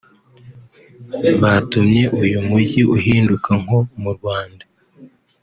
batumye uyu mujyi uhinduka nko mu Rwanda